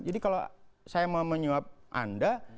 jadi kalau saya mau menyuap anda